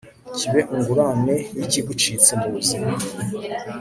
kibe ungurane yikigucitse mu buzima